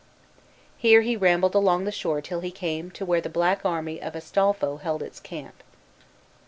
Here he rambled along the shore till he came to where the black army of Astolpho held its camp.